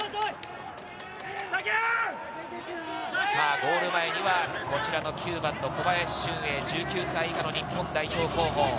ゴール前には９番の小林俊瑛、１９歳以下の日本代表候補。